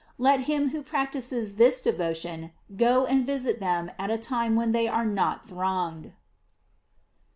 Let him who practise! this devotion go and visit them at a time when they are not thronged.